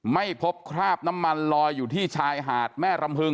ไม่พบคราบน้ำมันลอยอยู่ที่ชายหาดแม่รำพึง